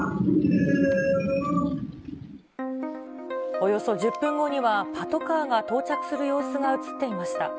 およそ１０分後にはパトカーが到着する様子が写っていました。